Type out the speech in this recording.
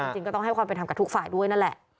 จริงก็ต้องให้ความเป็นธรรมกับทุกฝ่ายด้วยนั่นแหละ